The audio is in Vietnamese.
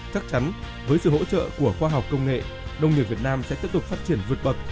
chắc chắn với sự hỗ trợ của khoa học công nghệ nông nghiệp việt nam sẽ tiếp tục phát triển vượt bậc